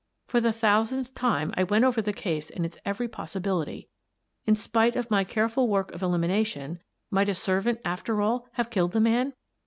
For the thousandth time, I went over the case and its every possibility. In spite of my careful work of elimi nation, might a servant, after all, have killed the man?